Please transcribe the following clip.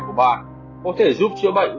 của bạn có thể giúp chữa bệnh